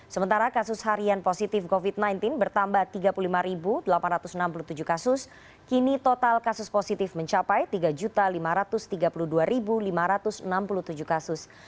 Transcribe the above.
sementara kasus harian positif covid sembilan belas bertambah tiga puluh lima delapan ratus enam puluh tujuh kasus kini total kasus positif mencapai tiga lima ratus tiga puluh dua lima ratus enam puluh tujuh kasus